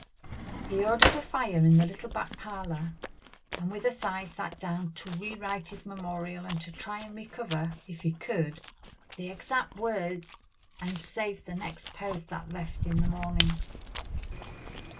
He ordered a fire in his little back parlor; and with a sigh sat down to rewrite his memorial and to try and recover, if he could, the exact words, and save the next post that left in the morning.